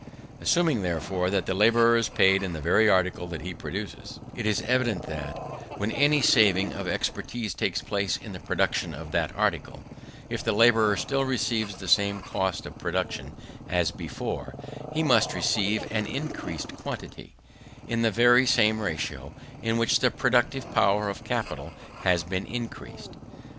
Assuming, therefore, that the labourer is paid in the very article he produces, it is evident that, when any saving of expense takes place in the production of that article, if the labourer still receives the same cost of production as before, he must receive an increased quantity, in the very same ratio in which the productive power of capital has been increased.